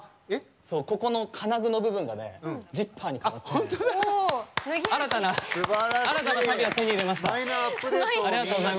ここの金具の部分がジッパーに換わって新たな、たびを手に入れました。